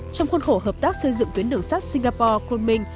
trong khuôn khổ hợp tác xây dựng tuyến đường sắt singapore colming